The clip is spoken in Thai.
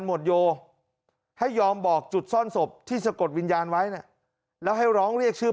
หมดโยให้ยอมบอกจุดซ่อนศพที่สะกดวิญญาณไว้เนี่ยแล้วให้ร้องเรียกชื่อ